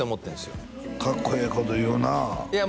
よかっこええこと言うなあいや